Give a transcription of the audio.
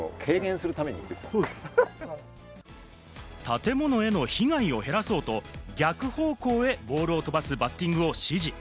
建物への被害を減らそうと、逆方向へボールを飛ばすバッティングを指示。